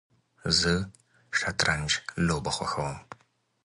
زه شطرنج لوبه خوښوم